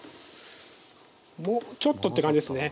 もうちょっとって感じですね。